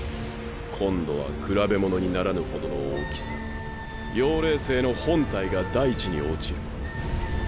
今度は比べものにならぬほどの大きさ妖霊星の本体が大地に落ちる。